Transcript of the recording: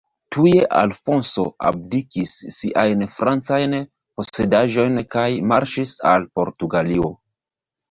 Tuje Alfonso abdikis siajn francajn posedaĵojn kaj marŝis al Portugalio.